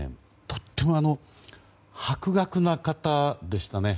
とっても博学な方でしたね。